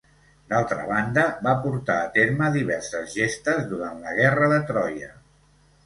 D'altra banda, va portar a terme diverses gestes durant la guerra de Troia.